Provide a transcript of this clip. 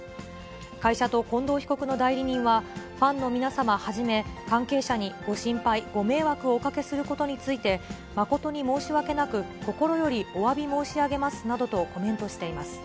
会社と近藤被告の代理人は、ファンの皆様はじめ、関係者にご心配、ご迷惑をおかけすることについて、誠に申し訳なく、心よりおわび申し上げますなどと、コメントしています。